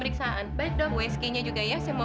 rasanya kena kamu